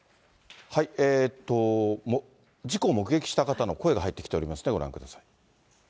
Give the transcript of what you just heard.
事故を目撃した方の声が入ってきておりますので、ご覧ください。